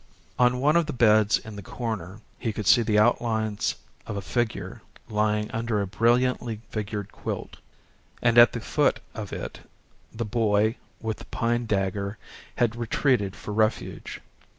On one of the beds in the corner he could see the outlines of a figure lying under a brilliantly figured quilt, and at the foot of it the boy with the pine dagger had retreated for refuge.